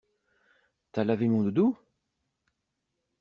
T'as lavé mon doudou?